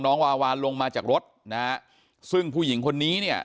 วาวานลงมาจากรถนะฮะซึ่งผู้หญิงคนนี้เนี่ย